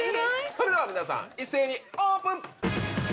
それでは皆さん一斉にオープン。